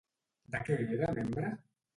De què era membre?